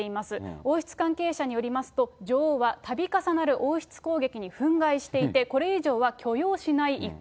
王室関係者によりますと、女王はたび重なる王室攻撃に憤慨していて、これ以上は許容しない意向。